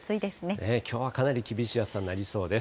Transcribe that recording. きょうはかなり厳しい暑さになりそうです。